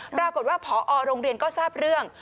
ปรากฏว่าพอโรงเรียนก็ทราบเรื่อง